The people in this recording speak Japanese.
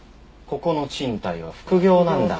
ここの賃貸は副業なんだ。